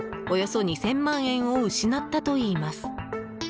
およそ２０００万円を失ったといいます。